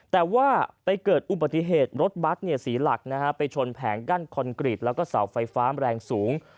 แต่ว่าไปเกิดอุบัติเหตุรถบัตรเสียหลักไปชนแผงกั้นคอนกรีตแล้วก็เสาไฟฟ้าแรงสูง